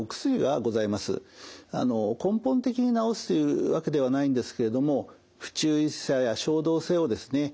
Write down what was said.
根本的に治すというわけではないんですけれども不注意さや衝動性をですね